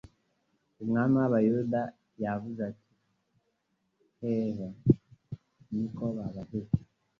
"Umwami w'Abayuda wavutse ari hehe? Ni ko babajije".